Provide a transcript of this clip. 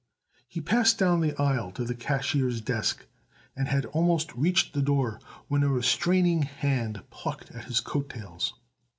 He passed down the aisle to the cashier's desk and had almost reached the door when a restraining hand plucked at his coat tails.